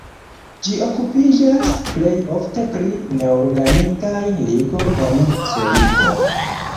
Ĝi okupiĝas plej ofte pri neorganikaj ligoj en solidoj.